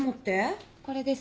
これです。